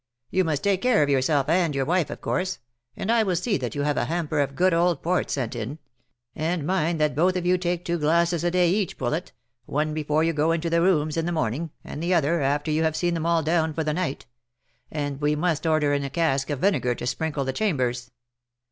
You must take care of yourself and your wife, of course, and I will see that you have a hamper of good old port sent in, and mind that you both of you take two glasses a day each, Poulet — one before you go into the rooms in the morning, and the other, after you have seen them all down for the night, and we must order in a cask of vinegar to sprinkle the cham bers.